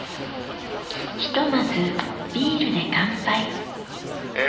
ひとまずビールで乾杯え